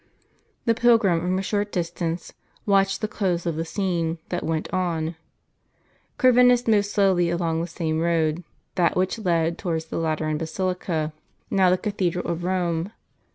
The pilgrim, from a short distance, watched the close of the scene, then went on. Corvinus moved slowly along the same road, that which led towards the Lateran basilica, now the Cathedral of Eome.